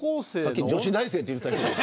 さっきは女子大生って言った。